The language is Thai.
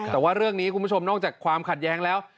แต่ว่าเรื่องนี้คุณผู้ชมนอกจากความขัดแย้งแล้ว